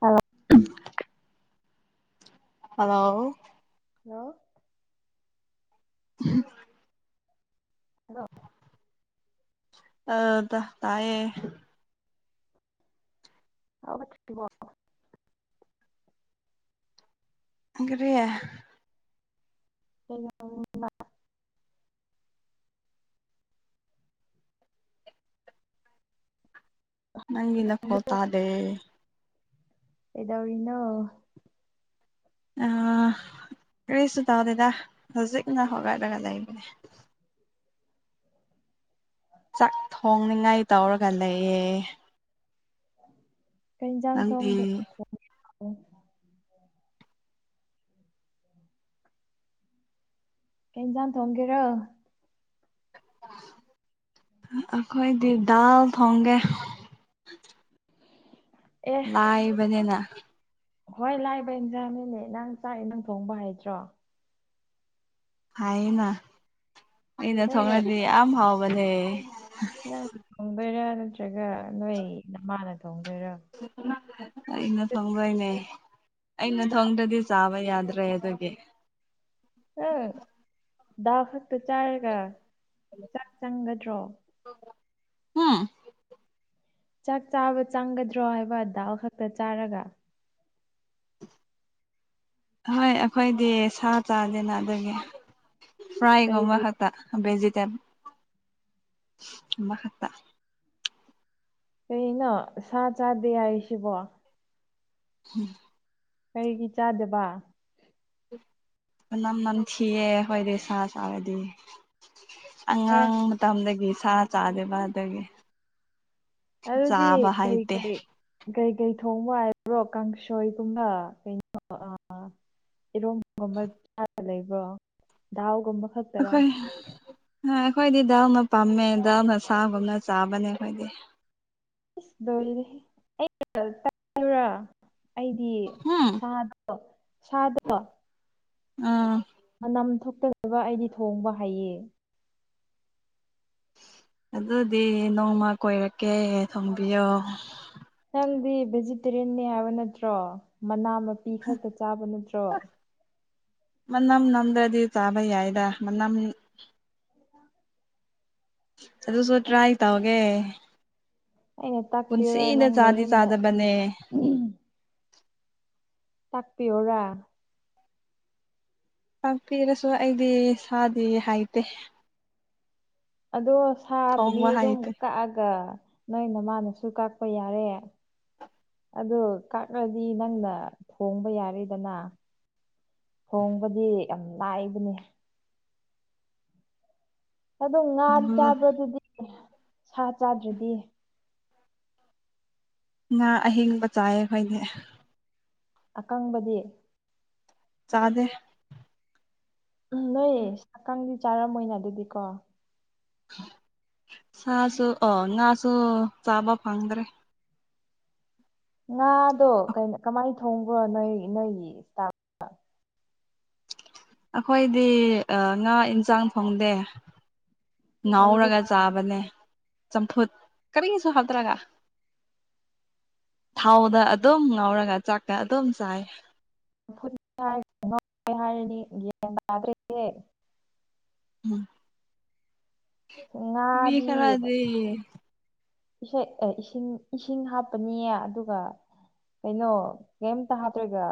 Hello hello hello ꯎꯝ [inaudible] hello ꯑꯗ ꯇꯥꯏꯌꯦ ꯍꯣ ꯀꯔꯦ [unintelligible] ꯅꯪꯒꯤ ꯅꯈꯣꯜ ꯀꯩꯗꯧꯔꯤꯅꯣ? ꯇꯥꯗꯦ ꯀꯩꯗꯧꯔꯤꯅꯣ꯫ ꯀꯔꯤꯁꯨ ꯇꯧꯑꯣꯗꯦꯗ ꯍꯧꯖꯤꯛꯅ ꯍꯧꯣꯒꯠꯂꯒ ꯂꯩꯕꯅꯦ ꯆꯥꯛ ꯊꯣꯡꯅꯤꯉꯥꯏ ꯇꯧꯔꯀꯥꯟꯗ ꯌꯦ꯫ ꯀꯩꯖꯥꯡ ꯅꯪꯗꯤ ꯊꯣꯡꯗ ꯀꯩ ꯏꯟꯖꯥꯡ ꯊꯣꯡꯒꯦꯔꯣ꯫ ꯑꯩꯈꯣꯏꯗꯤ ꯗꯥꯜ ꯊꯣꯡꯒꯦ ꯂ ꯏꯕꯅꯦꯅ ꯈꯋꯥꯏ ꯂꯥꯏꯕ ꯏꯟꯖꯥꯅꯤꯅꯦ ꯅꯪ ꯆꯥꯛꯏꯟꯖꯥꯡ ꯊꯣꯡꯕ ꯍꯩꯇꯔꯣ꯫ ꯍꯥꯏꯅ ꯑꯩꯅ ꯅꯪꯅ ꯊꯣꯛꯣꯡꯂꯗꯤ ꯌꯥꯝ ꯍꯥꯎꯕꯅꯦ ꯅꯪꯅ ꯊꯣꯡꯗꯣꯏꯔꯥ ꯅꯠꯇ꯭ꯔꯒ ꯅꯣꯏ ꯅꯃꯥꯅ ꯊꯣꯡꯗꯣꯏꯔꯥ ꯑꯩꯅ ꯊꯣꯡꯗꯣꯏꯅꯦ ꯑꯩꯅ ꯅꯪ ꯊꯣꯡꯗ꯭ꯔꯗꯤ ꯆꯥꯕ ꯌꯥꯗ꯭ꯔꯦ ꯑꯗꯨꯒꯤ ꯑꯪ ꯗꯥꯜ ꯈꯛꯇ ꯆꯥꯔꯒ ꯆꯥꯛ ꯆꯪꯒꯗ꯭ꯔꯣ [unintelligible] ꯍꯨꯝ [unintelligible] ꯆꯥꯛ ꯆꯥꯕ ꯆꯪꯒꯗ꯭ꯔꯣ ꯍꯥꯏꯕ ꯗꯥꯜ ꯈꯛꯇ ꯆꯥꯔꯒ꯫ ꯍꯣꯏ ꯑꯩꯈꯣꯏꯗꯤ ꯁꯥ ꯆꯥꯗꯦꯅ ꯑꯗꯨꯒꯤ ꯐ꯭ꯔꯥꯏꯒꯨꯝꯕ ꯀꯩꯒꯤ ꯈꯛ ꯦꯖꯤꯇꯦꯕꯜ ꯈꯠꯇ ꯀꯩꯅꯣ ꯁꯥ ꯆꯥꯗꯦ ꯍꯥꯏ ꯁꯤꯕꯣ ꯎꯝ ꯀꯔꯤꯒꯤ ꯆꯥꯗꯕ ꯃꯅꯝ ꯅꯝ ꯊꯤꯑ ꯑꯩꯈꯣꯏꯗꯤ ꯁꯥ ꯆꯥꯔꯗꯤ ꯑꯦ ꯑꯉꯥꯡ ꯃꯇꯝꯗꯒꯤ ꯁꯥ ꯆꯥꯗꯦꯕ ꯑꯗꯒꯤ꯫ ꯑꯗꯨꯗꯤ ꯀꯩ ꯍꯩꯇꯦ ꯀꯩ ꯀꯩꯀꯩ ꯊꯣꯡꯕ ꯍꯥꯏꯕ꯭ꯔꯣ ꯀꯥꯡꯁꯣꯏꯒꯨꯝꯕ ꯀꯩꯅꯣ ꯑꯥ ꯏꯔꯣꯡꯒꯨꯝꯕ ꯆꯥꯔ ꯂꯩꯕ꯭ꯔꯣ ꯗꯥꯎꯒꯨꯝꯕ ꯈꯛ ꯑꯩꯈꯣꯏ ꯑꯩꯈꯣꯏꯗꯤ ꯗꯥꯜꯅ ꯄꯥꯝꯃꯦ ꯗꯥꯜꯅ ꯁꯥꯒꯨꯝꯅ ꯆꯥꯕꯅꯦ ꯑꯩꯈꯣꯏꯗꯤ ꯔ ꯑꯩ ꯆ꯭ꯔꯥ ꯑꯩꯗꯤ ꯎꯝ ꯁꯥꯗꯣ ꯁꯥꯗꯣ ꯑꯥ ꯃꯅꯝ ꯊꯣꯛꯇꯒ ꯑꯩꯗꯤ ꯊꯣꯡꯕ ꯍꯩꯌꯦ ꯑꯗꯨꯗꯤ ꯅꯣꯡꯃ ꯀꯣꯏꯔꯛꯀꯦ ꯊꯣꯡꯕꯤꯌꯣ ꯅꯪꯗꯤ ꯚꯦꯖꯤꯇꯦꯔꯤꯌꯟꯅꯤ ꯍꯥꯏꯕ ꯅꯠꯇ꯭ꯔꯣ ꯃꯅꯥ ꯃꯄꯤ ꯈꯛꯇ ꯆꯥꯕ ꯅꯠꯇ꯭ꯔꯣ ꯃꯅꯝ ꯅꯝꯗ꯭ꯔꯗꯤ ꯆꯥꯕ ꯌꯥꯏꯗ ꯃꯅꯝ ꯆ ꯑꯗꯨꯁꯨꯣꯇ꯭ꯔ ꯑꯥꯏ ꯇꯋꯥꯒꯦ ꯑꯩꯅ ꯇꯥꯛꯄꯤꯌꯨꯔꯥ ꯄꯨꯟꯁꯤꯅ ꯅꯪꯅ ꯆꯥꯗꯤ ꯌꯨꯝꯗ ꯆꯥꯗꯕꯅꯦ [unintelligible] ꯇꯥꯛꯄꯤ ꯑꯣꯔ ꯇꯥꯛꯄꯤꯔꯁꯨ ꯑꯩꯗꯤ ꯁꯥꯗꯤ ꯍꯥꯏꯇꯦ ꯑꯗꯣ ꯁꯥꯗꯨꯗꯤ ꯊꯣꯡꯕ ꯑꯗꯨꯝ ꯍꯩꯇꯦ ꯀꯛꯑꯒ ꯅꯣꯏ ꯅꯃꯅꯁꯨ ꯀꯛꯄ ꯌꯥꯔꯦ ꯑꯗꯣ ꯀꯛꯂꯗꯤ ꯅꯪꯅ ꯊꯣꯡꯕ ꯌꯥꯔꯦꯗꯅ ꯊꯣꯡꯕꯗꯤ ꯌꯥꯝ ꯂꯅꯥꯏꯕꯅꯤ ꯑꯗꯨꯝ ꯉꯥ ꯆꯥꯕꯗꯨꯗꯤ ꯁꯥ ꯆꯥꯗ꯭ꯔꯗꯤ ꯉꯥ ꯑꯍꯤꯡꯕ ꯆꯥꯏꯌꯦ ꯑꯩꯈꯣꯏꯅꯦ ꯑꯀꯪꯕꯗꯤ ꯆꯥꯗꯦ ꯎꯝ ꯅꯣꯏ ꯁꯛꯀꯥꯡꯗꯤ ꯆꯥꯔꯝꯃꯣꯏꯅ ꯑꯗꯨꯗꯤ ꯀꯣ ꯁꯥꯁꯨꯨ ꯑꯣ ꯉꯁꯨ ꯆꯥꯕ ꯐꯪꯗ꯭ꯔꯦ꯫ ꯉꯥꯗꯣ ꯀꯃꯥꯏꯅ ꯊꯣꯡꯕ꯭ꯔꯣ ꯅꯣꯏ ꯅꯣꯏꯒꯤ ꯏꯁꯇ ꯑꯩꯈꯣꯏꯗꯤ ꯉꯥ ꯏꯟꯁꯥꯡ ꯐꯣꯡꯗꯦ ꯑꯗꯨꯗꯤ ꯉꯥꯎꯔꯒ ꯆꯥꯕꯅꯦ ꯆꯝꯐꯨꯠ ꯀꯔꯤꯒꯤꯁꯨ ꯍꯥꯞꯇꯔꯒ ꯊꯥꯎꯗ ꯑꯗꯨꯝ ꯉꯥꯎꯔꯒ ꯆꯥꯛꯀ ꯑꯗꯨꯝ ꯆꯥꯏ ꯨ ꯍꯥꯏꯔꯤꯅꯤ ꯌꯦꯟ ꯌꯥꯥꯗ꯭ꯔꯦꯁꯦ [unintelligible] ꯎꯝ ꯉꯥꯗꯤ꯫ ꯎ [unintelligible] ꯏꯁꯩ ꯑꯦ ꯏꯁꯤꯡ ꯏꯁꯤꯡ ꯍꯥꯞꯄꯅꯤꯌꯦ ꯑꯗꯨꯒ ꯀꯩꯅꯣ ꯀꯩꯝꯇ ꯍꯥꯞꯇ꯭ꯔꯒ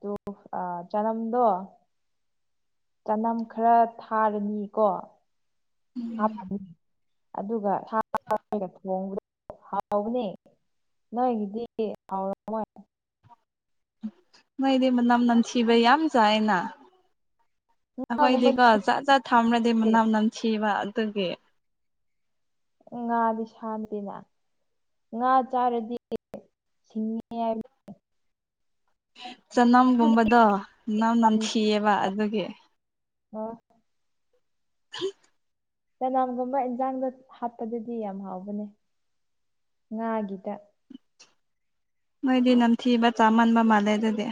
ꯇꯨ ꯆꯅꯝꯗꯣ ꯆꯅꯝ ꯈꯔ ꯊꯥꯔꯅꯤꯀꯣ ꯎꯝ ꯍꯥꯞꯄꯅꯤ ꯑꯗꯨꯒ [unintelligible] ꯊꯣꯡꯕꯗꯣ ꯍꯥꯎꯕꯅꯦ꯫ ꯅꯣꯏꯍꯤꯗꯤ ꯍꯥꯎ ꯔꯝꯃꯣꯏ ꯃꯣꯏꯗꯤ ꯃꯅꯝ ꯅꯟꯊꯤꯕ ꯌꯥꯝ ꯆꯥꯏꯌꯦꯅ꯫ ꯑꯩꯈꯣꯏꯗꯤꯀꯣ ꯉꯥꯒꯨꯝꯕꯗꯤ ꯆꯖꯠ ꯖꯠ ꯊꯝꯅꯗꯤ ꯃꯅꯝ ꯅꯝ ꯊꯤꯕ ꯑꯗꯨꯒꯤ ꯉꯥꯗꯤ ꯁꯝꯗꯦꯅ ꯉꯥ ꯆꯥꯔꯗꯤ ꯁꯤꯡꯉ ꯍꯥꯏ ꯍꯥꯏꯕꯗꯤ ꯆꯅꯝꯒꯨꯝꯕꯗꯣ ꯃꯅꯝ ꯅꯝꯊꯤꯌꯦꯕ ꯑꯗꯨꯒꯤ꯫ ꯑꯣ ꯍ [inaudible] ꯆꯅꯝꯒꯨꯝꯕ ꯏꯟꯖꯥꯡꯗ ꯍꯥꯞꯄꯗꯗꯤ ꯌꯥꯝ ꯍꯥꯎꯕꯅꯦ ꯉꯥꯒꯤꯗ꯫ ꯃꯣꯏꯗꯤ ꯅꯝꯊꯤꯕ ꯆꯥꯃꯟꯕ ꯃꯥꯜꯂꯦ ꯑꯗꯨꯗꯤ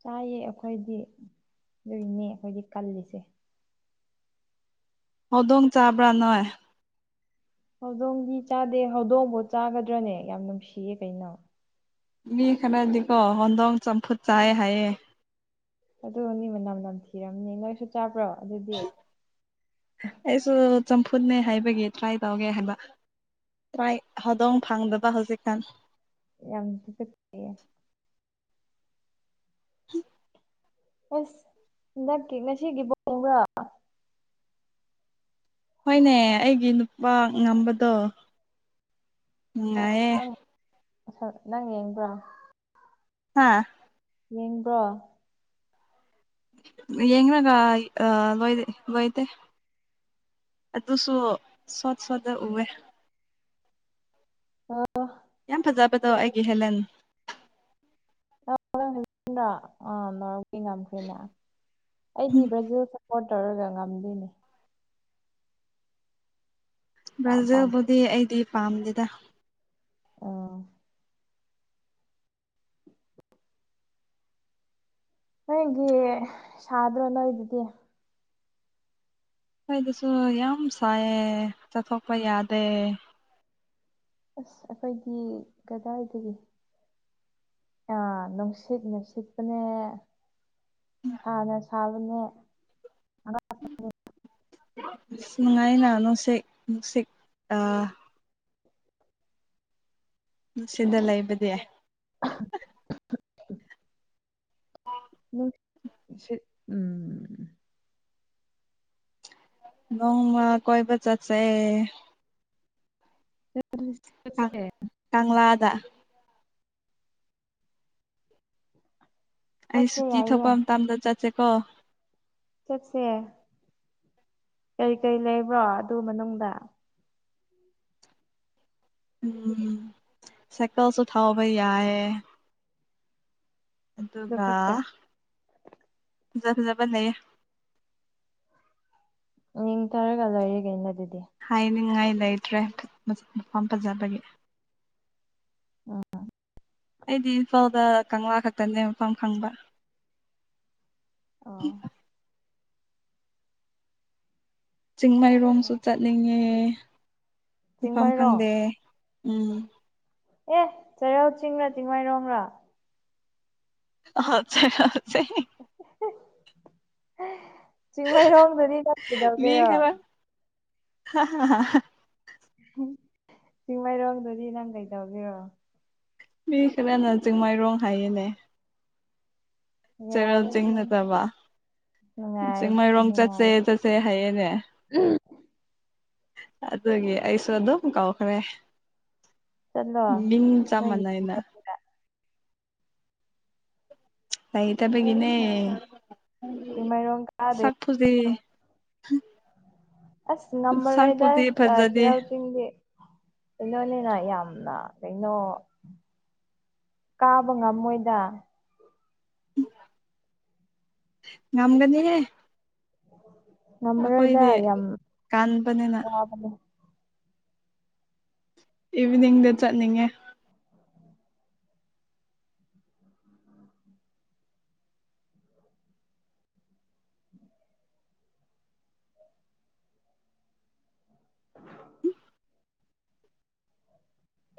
ꯆꯥꯏꯌꯦ ꯑꯩꯈꯣꯏꯗꯤ ꯑꯗꯨꯏꯅꯦ ꯑꯩꯈꯣꯏꯗꯤ ꯀꯜꯂꯤꯁꯦ ꯍꯧꯗꯣꯡ ꯆꯥꯕ꯭ꯔꯥ ꯅꯣꯏ꯫ ꯍꯧꯗꯣꯡꯗꯤ ꯆꯥꯗꯦ ꯍꯧꯗꯣꯡꯕ ꯆꯥꯒꯗ꯭ꯔꯅꯦ ꯌꯥꯝ ꯅꯨꯡꯁꯤꯌꯦ ꯀꯩꯅꯣ ꯃꯤ ꯈꯅꯗꯤꯀꯣ ꯍꯣꯟꯗꯣꯡ ꯆꯝꯐꯨꯠ ꯆꯥꯏ ꯍꯥꯏꯌꯦ ꯑꯗꯨꯅꯤ ꯃꯅꯝ ꯅꯝꯊꯤꯔꯝꯅꯤ ꯅꯣꯏꯁꯨ ꯆꯥꯕ꯭ꯔꯣ ꯑꯗꯨꯗꯤ ꯑꯩꯁꯨ ꯆꯝꯐꯨꯅꯦ ꯍꯥꯏꯕꯒꯤ ꯇ꯭ꯔꯥꯏ ꯇꯧꯒꯦ ꯍꯥꯏꯕ ꯇꯥꯏ ꯍꯗꯣꯡ ꯐꯥꯪꯗꯕ ꯍꯧꯖꯤꯛꯀꯥꯟ ꯌꯥꯝꯁꯨ ꯆꯦ [inaudible] ꯑꯁ ꯍꯟꯗꯛꯀꯤ ꯉꯁꯤꯒꯤ ꯕꯣꯟ ꯏꯕ ꯍꯣꯏꯅꯦ ꯑꯩꯒꯤ ꯅꯨꯄꯥ ꯉꯝꯕꯗꯣ ꯅꯨꯡꯉꯥꯏꯌꯦꯦ ꯅꯪ ꯅꯪ ꯌꯦꯡꯕ꯭ꯔꯣ ꯍꯥꯥ ꯌꯦꯡꯕ꯭ꯔꯣ ꯌꯦꯡꯅꯒ ꯑ ꯂꯣꯏ ꯂꯣꯏꯇ [unintelligible] ꯑꯗꯨꯁꯨ ꯁꯣꯠ ꯁꯣꯗ ꯎꯋꯦ ꯑ [inaudible] ꯌꯥꯝ ꯐꯖꯕꯗꯣ ꯑꯩꯒꯤ ꯍꯦꯂꯟ꯫ [unintelligible] ꯉꯝꯈ꯭ꯔꯦꯅ ꯑꯩꯗꯤ ꯕ꯭ꯔꯖꯤꯜ꯫ ꯐꯣꯟ ꯇꯧꯔꯒ ꯉꯝꯗꯣꯏꯅꯦ꯫ ꯌꯥꯝ ꯄꯥꯝꯃꯦ ꯕ꯭ꯔꯥꯖꯤꯜꯕꯨꯗꯤ ꯑꯩꯗꯤ ꯄꯥꯝꯗꯦꯗ ꯑꯥ ꯅꯣꯏꯒꯤ ꯁꯥꯗ꯭ꯔꯣ ꯅꯣꯏꯗꯨꯗꯤ꯫ ꯑꯩꯈꯣꯏꯗꯁꯨ ꯌꯥꯝ ꯁꯥꯏꯌꯦ ꯆꯠꯊꯣꯛꯄ ꯌꯥꯗꯦ ꯑꯁ ꯑꯩꯈꯣꯏꯒꯤ ꯀꯗꯥꯏꯗꯒꯤ ꯑ ꯅꯨꯡꯁꯤꯠꯅ ꯅꯁꯤꯠꯄꯅꯦ ꯁꯥꯅ ꯁꯥꯕꯅꯦ꯫ [unintelligible] ꯑꯁ ꯅꯨꯡꯉꯥꯏꯅ ꯅꯨꯡꯁꯤꯠ ꯅꯨꯡꯁꯤꯛ ꯑ ꯁꯤꯗ ꯂꯩꯕꯗꯤ꯫ [unintelligible] ꯎ ꯎꯝ ꯅꯣꯡꯃ ꯀꯣꯏꯕ ꯆꯠꯁꯦ ꯅꯣꯏ ꯑꯗꯨꯗꯤ ꯆꯠꯁꯦ ꯀꯪꯂꯥꯗ ꯑꯩ ꯆꯠꯁꯦ ꯁꯨꯇꯤ ꯊꯣꯛꯄ ꯌꯥꯏꯌꯦ ꯃꯇꯝꯗ ꯆꯠꯁꯦꯀꯣ꯫ ꯆꯠꯁꯦ ꯀꯔꯤꯀꯔꯤ ꯂꯩꯕ꯭ꯔꯣ ꯑꯗꯨ ꯃꯅꯨꯡꯗ꯫ ꯎꯝ ꯁꯥꯏꯀꯜꯁꯨ ꯊꯧꯕ ꯌꯥꯏꯌꯦ꯫ ꯑꯗꯨ ꯑꯗꯨꯒ ꯈꯛꯇ ꯐꯖ ꯐꯖꯕ ꯂꯩꯌꯦ ꯌꯦꯡꯊꯔꯒ ꯂꯣꯏꯔꯦ ꯀꯩꯅꯣ ꯑꯗꯨꯗꯤ ꯍꯥꯏꯅꯤꯡꯉꯥꯏ ꯂꯩꯇ꯭ꯔꯦ ꯃꯐꯝ ꯐꯖꯕꯒꯤ ꯑꯥ꯫ ꯑꯩꯗꯤ ꯏꯝꯐꯥꯜꯗ ꯀꯪꯂꯥ ꯈꯛꯇꯅꯦ ꯃꯐꯝ ꯐꯪꯕ ꯑ ꯆꯤꯡꯃꯩꯔꯣꯡꯁꯨ ꯆꯠꯅꯤꯡꯉꯦ ꯃꯐꯝ ꯆꯤꯡꯃꯩꯔꯣꯡ ꯐꯪꯗꯦ ꯎꯝ ꯑꯦ ꯆꯩꯔꯥꯎ ꯆꯤꯡꯔꯥ ꯆꯤꯡꯃꯩꯔꯣꯡꯔꯣ ꯍꯁꯦ ꯍꯁꯦ ꯆꯤꯡꯃꯩꯔꯣꯡꯝꯗꯗꯤ ꯀ ꯀꯩꯗꯧꯒꯦꯔꯣ ꯍ ꯍꯥ ꯆꯤꯡꯃꯩꯔꯣꯡꯗꯗꯤ ꯅꯪ ꯀꯩꯗꯧꯒꯦꯔꯣ ꯃꯤ ꯈꯔꯅ ꯆꯤꯡꯃꯩꯔꯣꯡ ꯍꯥꯏꯌꯦꯅꯦ꯫ ꯆꯦꯔꯦꯜ ꯌꯥꯔꯦ ꯆꯤꯡ ꯅꯪꯁꯨ ꯅꯠꯇꯕ꯫ ꯅꯨꯡꯉꯥꯏ ꯆꯤꯡꯃꯩꯔꯣꯡ ꯆꯠꯁꯦ ꯅꯨꯡꯉꯥꯏ ꯆꯠꯁꯦ ꯍꯥꯏꯌꯦꯅꯦ ꯑꯗꯨꯒꯤ ꯑꯩꯁꯨ ꯑꯗꯨꯝ ꯀꯧꯈ꯭ꯔꯦ ꯆꯠꯂꯣ ꯃꯤꯡ ꯅꯣꯏꯒꯤ ꯆꯥꯞꯃꯥꯟꯅꯩꯅ ꯂꯩꯇꯕꯒꯤꯅꯦ ꯆꯤꯡꯃꯩꯔꯣꯡ ꯀꯥꯗꯦ ꯆꯥꯛ ꯐꯖꯤ [unintelligible] ꯑꯁ ꯉꯝꯃꯔꯣꯏꯗ ꯁꯛꯄꯨꯗꯤ ꯐꯖꯗꯦ ꯆꯩꯔꯥꯎ ꯆꯤꯡꯗꯤ ꯀꯩꯅꯣꯅꯦꯅ ꯌꯥꯝꯅ ꯀꯩꯅꯣ ꯀꯥꯕ ꯉꯝꯃꯣꯏꯗ ꯉꯝꯒꯅꯤꯍꯦ ꯉꯝꯃꯔꯣꯏꯗ ꯑꯩꯈꯣꯏꯗꯤ ꯌꯥꯝ ꯀꯥꯟꯕꯅꯤꯅ ꯋꯥꯕꯅꯦ ꯏꯚꯤꯅꯤꯡꯗ ꯆꯠꯅꯤꯡꯉꯦ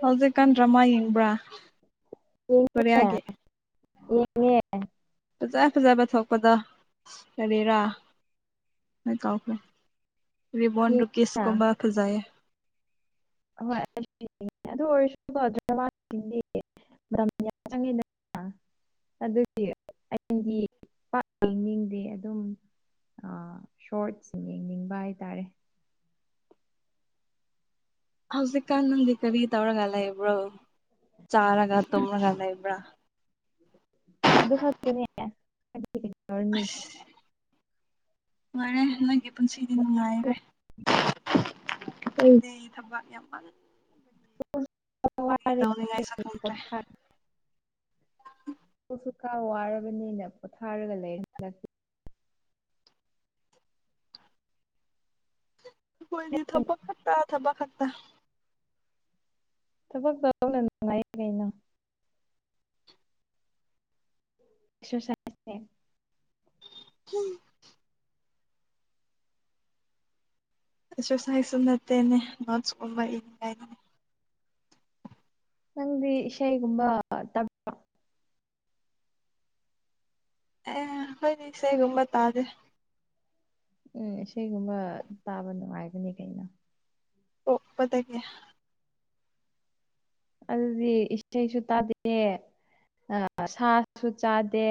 ꯍꯧꯖꯤꯛꯀꯥꯟ ꯗ꯭ꯔꯃꯥ ꯌꯦꯡꯕ꯭ꯔꯥ ꯌꯦꯡꯉꯦ ꯀꯣꯔꯤꯌꯥꯒꯤ ꯌꯦꯡꯉꯦ ꯐꯖ ꯐꯖꯕ ꯊꯣꯛꯄꯗ ꯀꯔꯤꯔꯥ ꯑꯩ ꯀꯥꯎꯈ꯭ꯔꯦ ꯔꯤꯕꯣꯟ ꯌꯦꯡꯉꯦ ꯔꯨꯀꯤꯁꯀꯨꯝꯕ ꯐꯖꯩꯌꯦ ꯑꯍꯣꯏ ꯑꯩꯁꯨ ꯌꯦꯡꯉꯦ ꯑꯗꯨ ꯑꯣꯏꯔꯁꯨꯀꯣ [unintelligible] ꯃꯇꯝ ꯌꯥꯝ ꯆꯪꯉꯤꯗꯅ ꯑꯗꯨꯗꯤ ꯑꯩꯒꯤ [unintelligible] ꯃꯤꯡꯗꯤ ꯑꯗꯨꯝ ꯑꯣ ꯁꯣꯔꯠꯁꯤꯡ ꯌꯦꯡꯅꯤꯡꯕ ꯍꯥꯏꯇꯥꯔꯦ ꯍꯧꯖꯤꯛꯀꯥꯟ ꯅꯪꯗꯤ ꯀꯔꯤ ꯇꯧꯔꯒ ꯂꯩꯕ꯭ꯔꯣ ꯆꯥꯔꯒ ꯇꯨꯝꯔꯒ ꯂꯩꯕ꯭ꯔꯥ ꯑꯗꯨ ꯈꯛꯇꯅꯦ [unintelligible] ꯅꯨꯉꯥꯏꯔꯦ ꯅꯣꯏꯒꯤ ꯄꯨꯟꯁꯤꯗꯤ ꯅꯨꯡꯉꯥꯏꯔꯦ [unintelligible] ꯊꯕꯥꯛ ꯌꯥꯃꯟ ꯇꯧꯅꯤꯡꯉꯥꯏꯁꯨ ꯈꯪꯗ꯭ꯔꯦ [unintelligible] ꯑꯩꯈꯣꯏꯁꯨ ꯈꯔ ꯋꯥꯔꯕꯅꯤꯅ ꯄꯣꯊꯥꯔꯒ ꯂꯩꯔꯦ ꯍꯟꯗꯛꯇꯤ ꯑꯩꯈꯣꯏꯗꯤ ꯊꯕꯛ ꯈꯠꯇ ꯊꯕꯛ ꯈꯠꯇ ꯊꯕꯛ ꯇꯧꯔ ꯂꯩꯕ ꯅꯨꯡꯉꯥꯏ ꯀꯩꯅꯣ [unintelligible] [unintelligible] ꯑꯦꯛꯁꯔꯁꯥꯏꯁꯁꯨ ꯅꯠꯇꯦꯅꯦ ꯅꯣꯠꯁꯀꯨꯝꯕ ꯏꯅꯤꯡꯉꯥꯏꯅꯦ ꯅꯪꯗꯤ ꯏꯁꯩꯒꯨꯝꯕ ꯇꯝ ꯑꯦ ꯈꯣꯏꯗꯤ ꯏꯁꯩꯒꯨꯝꯕ ꯇꯥꯗꯦ ꯎꯝ ꯏꯁꯩꯒꯨꯝꯕ ꯇꯥꯕ ꯅꯨꯡꯉꯥꯏꯕꯅꯤ ꯀꯩꯅꯣ ꯄꯣꯛꯄꯗꯩꯅꯦ ꯑꯗꯨꯗꯤ ꯏꯁꯩꯁꯨ ꯇꯥꯗꯦ ꯑꯥ ꯁꯥꯁꯨ ꯆꯥꯗꯦ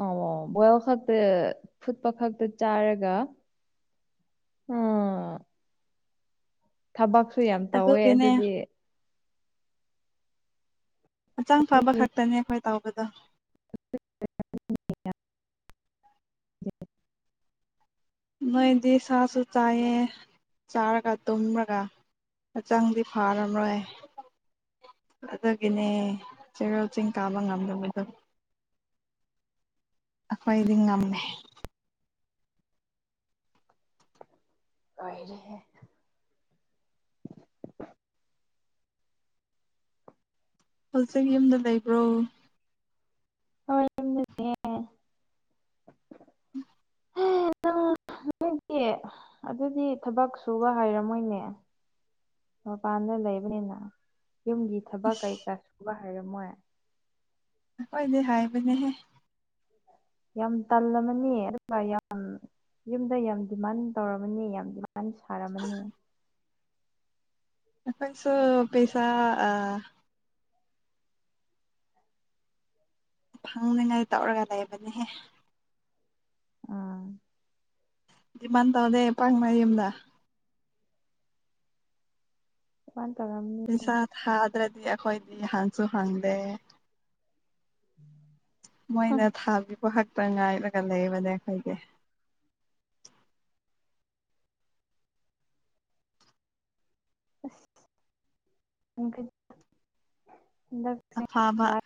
ꯑ ꯕꯣꯏꯜꯈꯛꯇ ꯐꯨꯠꯄ ꯈꯛꯇ ꯆꯥꯔꯒ ꯎꯝ ꯊꯕꯛꯁꯨ ꯌꯥꯝ ꯇꯧꯋꯦ ꯑꯗꯨꯒꯤꯅꯦ ꯑꯗꯨꯗꯤ ꯍꯛꯆꯥꯡ ꯐꯕ ꯈꯛꯇꯅꯦ ꯑꯩꯈꯣꯏ ꯇꯧꯕꯗꯣ [unintelligible] ꯅꯣꯏꯗꯤ ꯁꯥꯁꯨ ꯆꯥꯏꯌꯦ ꯆꯥꯔꯒ ꯇꯨꯝꯔꯒ ꯍꯛꯆꯪꯗꯤ ꯐꯔꯝꯔꯣꯏ ꯑꯗꯨꯒꯤꯅꯦ ꯆꯩꯔꯥꯎ ꯆꯤꯡ ꯀꯥꯕ ꯉꯝꯗꯕꯗꯣ ꯑꯩꯈꯣꯏꯗꯤ ꯉꯝꯃꯦ ꯂꯣꯏꯔꯦꯍꯦ ꯍꯧꯖꯤꯛ ꯌꯨꯝꯗ ꯂꯩꯕ꯭ꯔꯣ ꯍꯣꯏ ꯌꯨꯝꯗ ꯂꯩꯌꯦ [unintelligible] ꯅꯪ ꯅꯣꯏꯗꯤ ꯑꯗꯨꯗꯤ ꯊꯕꯛ ꯁꯨꯕ ꯍꯥꯏꯔꯝꯃꯣꯏꯅꯦ ꯃꯄꯥꯟꯗ ꯂꯩꯕꯅꯤꯅ ꯌꯨꯝꯒꯤ ꯊꯕꯛ ꯀꯩꯀꯥ ꯁꯨꯕ ꯍꯩꯔꯝꯃꯣꯏ ꯑꯩꯈꯣꯏꯗꯤ ꯍꯥꯏꯕꯅꯦꯍꯦ ꯌꯥꯝ ꯇꯜꯂꯃꯅꯤ ꯑꯗꯨꯒ ꯌꯥꯝ ꯌꯨꯝꯗ ꯌꯥꯝ ꯗꯤꯃꯥꯟ ꯇꯧꯔꯃꯅꯤ ꯌꯥꯝꯗꯤꯥꯟ ꯌꯥꯝ ꯁꯥꯔꯝꯃꯅꯤ ꯑꯩꯈꯣꯏꯁꯨ ꯄꯩꯁꯥ ꯑ ꯐꯪꯅꯤꯉꯥꯏ ꯇꯧꯔꯒ ꯂꯩꯕꯅꯤꯍꯦ ꯑꯥ ꯗꯤꯃꯥꯟ ꯇꯧꯗꯦ ꯄꯪꯅ ꯌꯨꯝꯗ ꯗꯤꯃꯥꯟ ꯇꯧꯔꯝꯅꯤ ꯄꯩꯁꯥ ꯊꯥꯗ꯭ꯔꯗꯤ ꯑꯩꯈꯣꯏꯗꯤ ꯍꯪꯁꯨ ꯍꯪꯗꯦ ꯃꯣꯏꯅ ꯊꯥꯕꯤꯕ ꯈꯛꯇ ꯉꯥꯏꯔꯒ ꯂꯩꯕꯅꯦ ꯑꯩꯈꯣꯏꯗꯤ [unintelligible] ꯐꯥꯕ